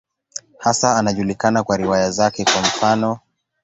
Hasa anajulikana kwa riwaya zake, kwa mfano.